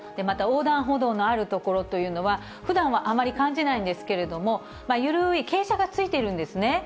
また横断歩道のある所というのは、ふだんはあまり感じないんですけれども、ゆるい傾斜が付いているんですね。